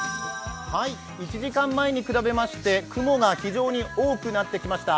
１時間前に比べまして雲が非常に多くなってきました。